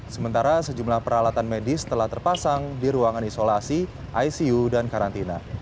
sementara sejumlah peralatan medis telah terpasang di ruangan isolasi icu dan karantina